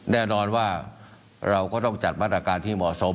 แน่นอนว่าเราก็ต้องจัดมาตรการที่เหมาะสม